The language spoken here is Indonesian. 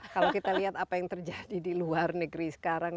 kalau kita lihat apa yang terjadi di luar negeri sekarang